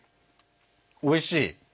おいしい。